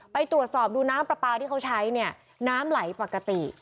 ไปตรวจสอบดูน้ำปลาปลาที่เขาใช้เนี่ยน้ำไหลปกติ